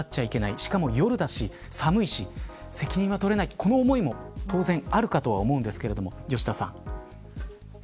しかも夜だし寒いし責任は取れないこの思いも当然あるかとは思うんですけど吉田さん。